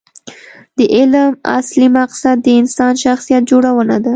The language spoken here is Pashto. د علم اصلي مقصد د انسان شخصیت جوړونه ده.